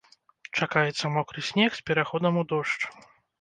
Чакаецца мокры снег, з пераходам у дождж.